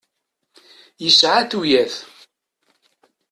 Yesεa tuyat.